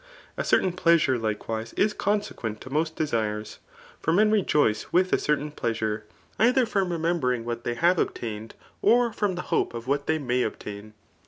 A certain plei^ «iire, Ifl^ewise, is consequent to most desirea For men It^ice with a certain pleasure, e&iier from remembirn^ ««^hat they; have obtained, or from the hope €i what they tfayobeiiii.